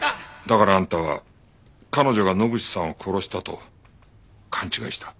だからあんたは彼女が野口さんを殺したと勘違いした。